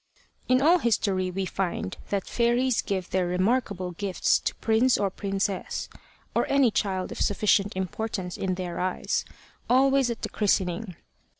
In all history we find that fairies give their remarkable gifts to prince or princess, or any child of sufficient importance in their eyes, always at the christening.